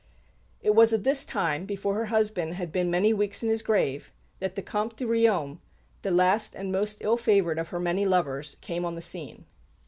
It was at this time, before her husband had been many weeks in his grave, that the Comte de Riom, the last and most ill favoured of her many lovers, came on the scene.